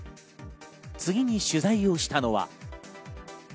次に取材をしたのは。